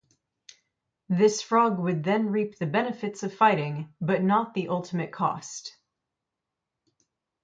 This frog would then reap the benefits of fighting, but not the ultimate cost.